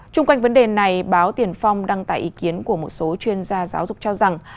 trung quanh vấn đề này báo tiền phong đăng tải ý kiến của một số chuyên gia giáo dục cho rằng